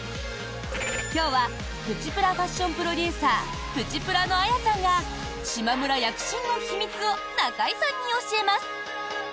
今日はプチプラファッションプロデューサープチプラのあやさんがしまむら躍進の秘密を中居さんに教えます。